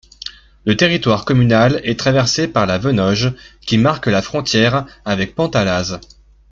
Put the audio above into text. Le territoire communal est traversé par la Venoge qui marque la frontière avec Penthalaz.